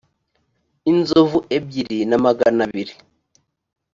inzovu ebyiri na magana abiri